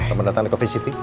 selamat datang di coffee city